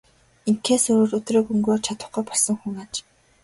Ингэхээс өөрөөр өдрийг өнгөрөөж чадахгүй болсон хүн аж.